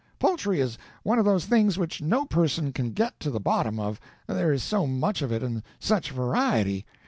Poultry is one of those things which no person can get to the bottom of, there is so much of it and such variety.